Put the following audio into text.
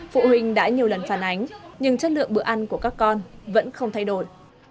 phụ huynh đã nhiều lần phản ánh nhưng chất lượng bữa ăn của các con vẫn không thay đổi